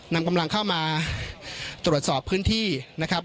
นำกำลังเข้ามาตรวจสอบพื้นที่นะครับ